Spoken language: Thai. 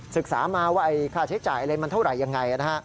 ศึกษามาว่าค่าใช้จ่ายอะไรมันเท่าไหร่ยังไง